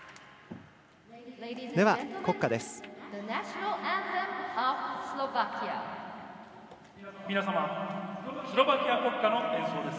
では、国歌です。